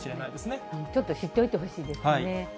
ちょっと知っておいてほしいですね。